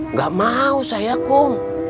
nggak mau saya kum